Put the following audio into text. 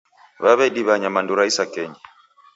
Wawediwa nyamandu ra isakenyi